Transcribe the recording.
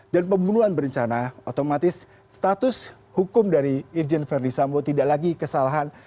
dan pembunuhan berencana otomatis status hukum dari irjen ferdis sambos tidak lagi kesalahan